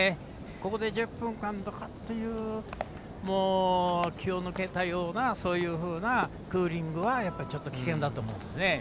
ここで、１０分間どかっていう気を抜けたようなそういうふうなクーリングはちょっと危険だと思うんですね。